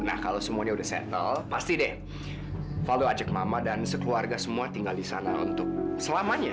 nah kalau semuanya udah settle pasti deh selalu ajak mama dan sekeluarga semua tinggal di sana untuk selamanya